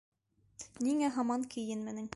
Ниңә һаман кейенмәнең?